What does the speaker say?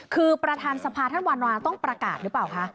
คือประธานสภาท่านวันวาต้องประกาศหรือเปล่าคะ